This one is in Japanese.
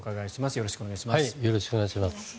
よろしくお願いします。